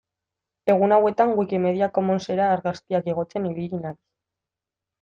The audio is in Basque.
Egun hauetan Wikimedia Commonsera argazkiak igotzen ibili naiz.